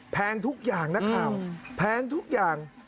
แพงทุกอย่างนะครับแพงทุกอย่าง